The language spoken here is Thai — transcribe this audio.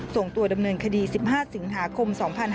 ส่งตัวดำเนินคดี๑๕สิงหาคม๒๕๕๙